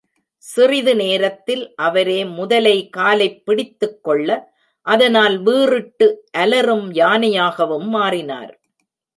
சிறிது நேரத்தில் அவரே முதலை காலைப் பிடித்துக்கொள்ள அதனால் வீறிட்டு அலறும் யானையாகவும் மாறினார்.